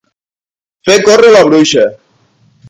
Fer córrer la bruixa.